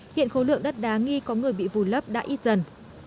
hiện khối lượng đất đá nghi có người bị vùi lấp đã ít dần